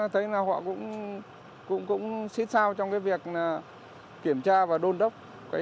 đối với việc kiểm tra và đôn đốc